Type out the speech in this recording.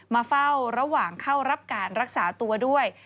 มาเฝ้าระหว่างเข้ารับการรักษาตัวด้วย